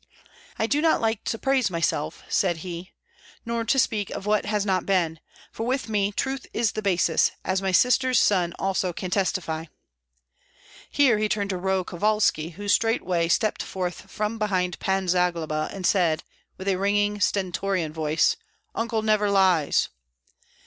"I do not like to praise myself," said he, "nor to speak of what has not been; for with me truth is the basis, as my sister's son also can testify." Here he turned to Roh Kovalski, who straightway stepped forth from behind Pan Zagloba, and said, with a ringing, stentorian voice, "Uncle never lies!"